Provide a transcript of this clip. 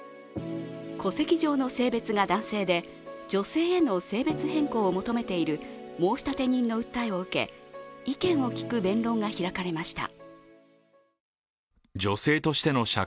戸籍上の性別が男性で女性への性別変更を求めている申立人の訴えを受け、意見を聞く弁論が開かれました。